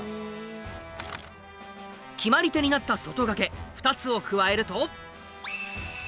決まり手になった外掛け２つを加えると。